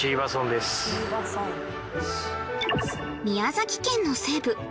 宮崎県の西部